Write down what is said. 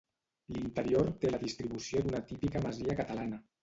L'interior té la distribució d'una típica masia catalana.